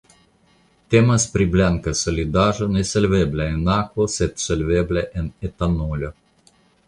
Temas pri blanka solidaĵo nesolvebla en akvo sed solvebla en etanolo.